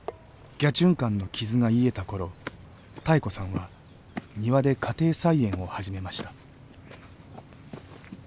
ギャチュンカンの傷が癒えたころ妙子さんは庭で家庭菜園を始めました。